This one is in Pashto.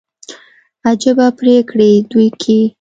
عجبه پرېکړي دوى کيي.